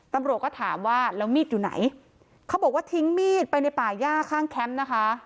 ตำรวจก็ถามว่าแล้วมีดอยู่ไหนเขาบอกว่าทิ้งมีดไปในป่าย่าข้างแคมป์นะคะ